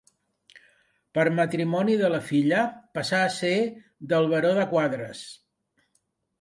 Per matrimoni de la filla passà a ser del Baró de Quadres.